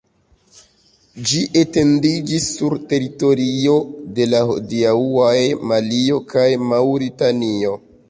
Ĝi etendiĝis sur teritorio de la hodiaŭaj Malio kaj Maŭritanio.